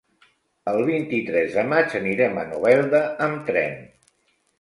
El vint-i-tres de maig anirem a Novelda amb tren.